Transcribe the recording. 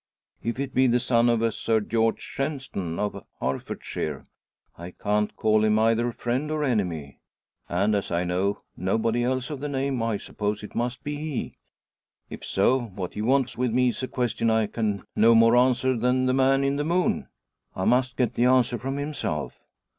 "If it be the son of a Sir George Shenstone, of Herefordshire, I can't call him either friend or enemy; and as I know nobody else of the name, I suppose it must be he. If so, what he wants with me is a question I can no more answer than the man in the moon. I must get the answer from himself.